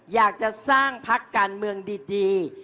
อยากจะสร้างพักการเมืองดี